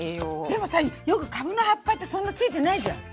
でもさよくかぶの葉っぱってそんなついてないじゃん。